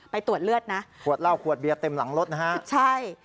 ไปตรวจเลือดนะขวดเหล้าขวดเบียร์เต็มหลังรถนะฮะใช่